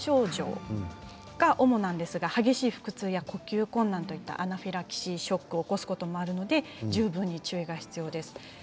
それが主なんですが激しい腹痛や呼吸困難といったアナフィラキシーショックを起こすこともありますので十分注意が必要です。